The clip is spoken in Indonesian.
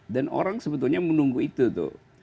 dan orang sebetulnya menunggu itu tuh